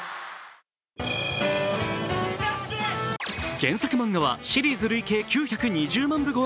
原作漫画はシリーズ累計９２０万部超え。